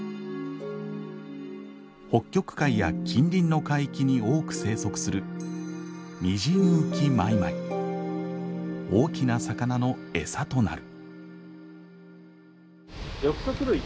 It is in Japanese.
北極海や近隣の海域に多く生息する大きな魚のエサとなる。